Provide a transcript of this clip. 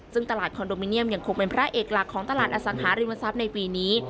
ซึ่งตลาดคอนโดมิเนียมยังคงเป็นพระเอกหลักของตลาดอสังหาริมทรัพย์ในปีนี้